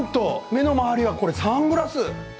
目の周りはサングラス。